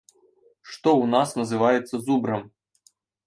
Што у нас называецца зубрам!